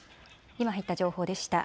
今入った情報でした。